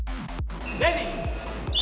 レディー！